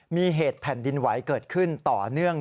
มีเหตุแผ่นดินไหวเกิดขึ้นต่อเนื่อง